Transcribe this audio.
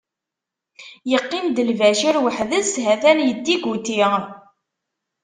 Yeqqim-d Lbacir waḥd-s, ha-t-an yeddiguti.